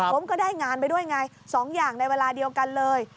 ผมก็ได้งานไปด้วยไง๒อย่างในเวลาเดียวกันเลย